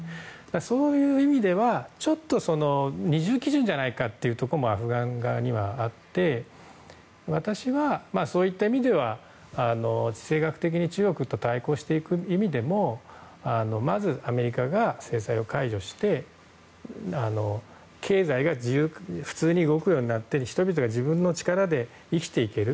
そういう意味では、ちょっと二重基準ではないかというのがアフガン側にはあって私はそういう意味では地政学的に中国と対抗していく意味でもまずアメリカが制裁を解除して経済が普通に動くようになって人々が自分の力で生きていける。